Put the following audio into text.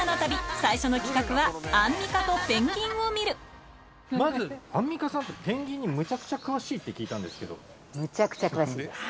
最初の企画はまずアンミカさんってペンギンにむちゃくちゃ詳しいって聞いたんですけど。